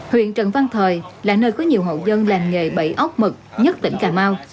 huyện trần văn thời là nơi có nhiều hậu dân làm nghề bẫy ốc mực nhất tỉnh cà mau